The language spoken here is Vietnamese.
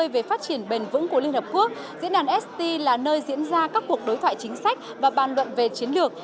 về phát triển bền vững của liên hợp quốc diễn đàn ist là nơi diễn ra các cuộc đối thoại chính sách và bàn luận về chiến lược